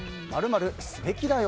「○○するべきだよ」